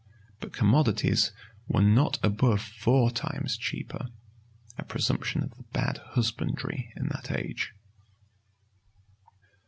But commodities were not above four times cheaper; a presumption of the bad husbandry in that age.